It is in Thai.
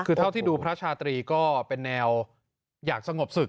คือเท่าที่ดูพระชาตรีก็เป็นแนวอยากสงบศึก